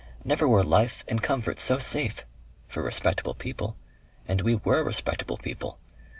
Never were life and comfort so safe for respectable people. And we WERE respectable people....